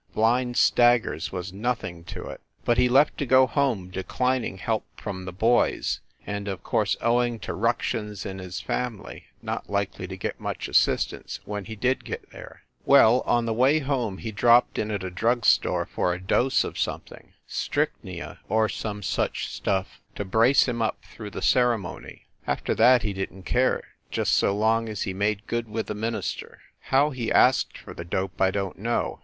Blind staggers was nothing to it. But he left to go home declining help from the boys and of course, owing to ructions in his family, not likely to get much assistance when he did get there. THE LIARS CLUB 79 Well, on the way home he dropped in at a drug store for a dose of something, strychnia or some such stuff, to brace him up through the ceremony. After that he didn t care, just so long as he made good with the minister. How he asked for the dope, I don t know.